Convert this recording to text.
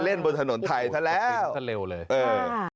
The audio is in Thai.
เล่นบนถนนไทยทันแล้วทันเร็วเลยเออ